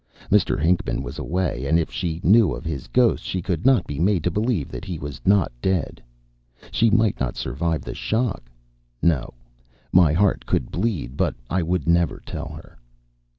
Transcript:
Mr. Hinckman was away, and if she knew of his ghost she could not be made to believe that he was not dead. She might not survive the shock! No, my heart could bleed, but I would never tell her.